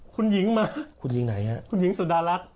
คุณหญิงมาคุณหญิงสุดอารัก